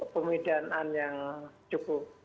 pemindahan yang cukup